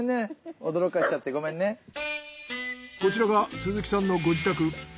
こちらが鈴木さんのご自宅。